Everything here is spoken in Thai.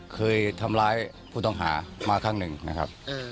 เคยทำร้ายผู้ต้องหามาครั้งหนึ่งนะครับ